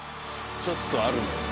ちょっとあるのよ。